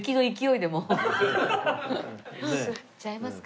いっちゃいますか？